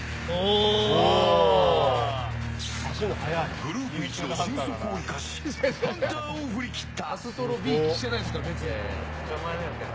グループいちの俊足を生かしハンターを振り切った。